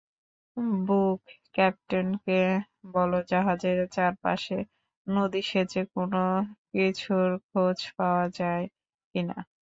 ব্যুক, ক্যাপ্টেনকে বলো জাহাজের চারপাশে নদী সেঁচে কোনও কিছুর খোঁজ পাওয়া যায় কিনা!